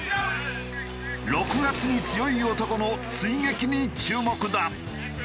「６月に強い男」の追撃に注目だ。